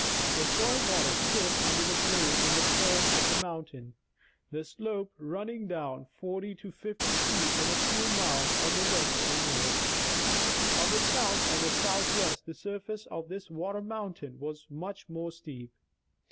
The soil water stood under the plain in the form of a moun tain, the slope running down 40 to 50 feet in a few miles on the west and north. On the south and southwest the surface of this water mountain was much more steep.